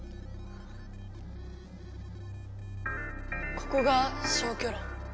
ここが消去炉。